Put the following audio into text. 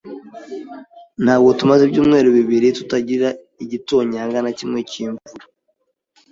Ntabwo tumaze ibyumweru bibiri tutagira igitonyanga na kimwe cyimvura.